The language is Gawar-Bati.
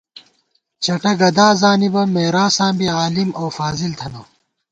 چٹّہ گدا زانِبہ، مېراثاں بی عالِم اؤ فاضل تھنہ